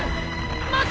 待て！